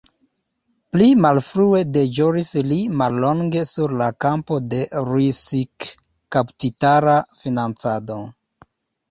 Pli malfrue deĵoris li mallonge sur la kampo de risikkapitala financado.